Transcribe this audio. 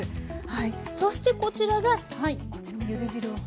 はいそしてこちらがこちらもゆで汁を。